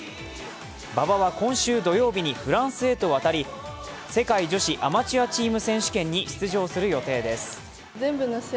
馬場は今週土曜日にフランスへと渡り、世界女子アマチュアチーム選手権に出場する予定です。